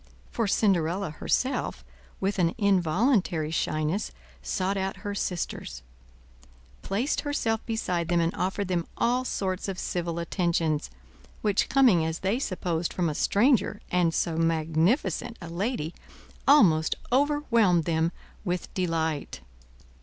For Cinderella, herself, with an involuntary shyness, sought out her sisters; placed herself beside them and offered them all sorts of civil attentions, which coming as they supposed from a stranger, and so magnificent a lady, almost overwhelmed them with delight.